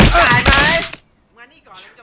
ขายไป